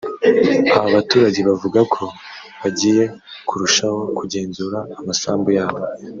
Aba baturage bavuga ko bagiye kurushaho kugenzura amasambu yabo